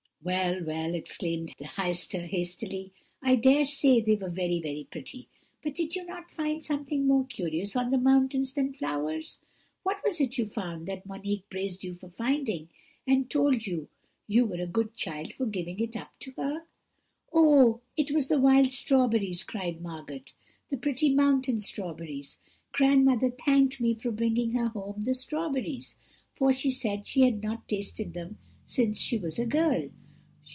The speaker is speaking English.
"'Well, well!' exclaimed Heister, hastily, 'I dare say they were very pretty; but did you not find something more curious on the mountains than flowers? What was it you found, that Monique praised you for finding, and told you you were a good child for giving it up to her?' "'Oh! it was the wild strawberries,' cried Margot; 'the pretty mountain strawberries. Grandmother thanked me for bringing her home the strawberries, for she said she had not tasted them since she was a girl.'